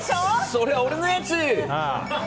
それ俺のやつ！